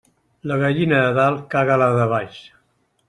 La gallina de dalt caga la de baix.